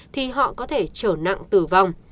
thì họ có thể trở nặng tử vong